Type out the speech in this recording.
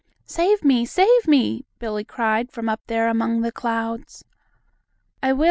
"Save me! Save me!" Billie cried from up there among the clouds. "I will!